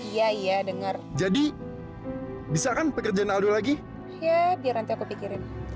ya biar nanti aku pikirin